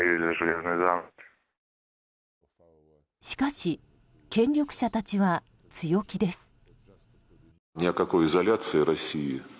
しかし権力者たちは強気です。